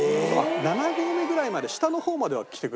７合目ぐらいまで下の方までは来てくれる。